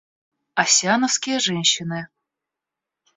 Оссиановские женщины.